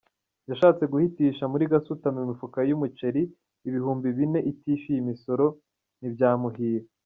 Yashatse guhitisha muri Gasutamo imifuka y’umuceri ibihumbi bine itishyuye imisoro ntibyamuhira